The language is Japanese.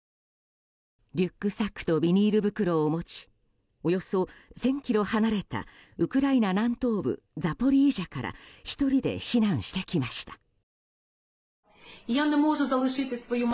リュックサックとビニール袋を持ちおよそ１０００ｋｍ離れたウクライナ南東部ザポリージャから１人で避難してきました。